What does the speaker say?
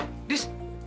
kan kamu udah ketawa kan